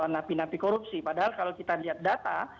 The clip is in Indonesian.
nafi nafi korupsi padahal kalau kita lihat data